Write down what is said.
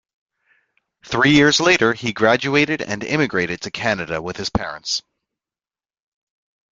Three years later, he graduated and immigrated to Canada with his parents.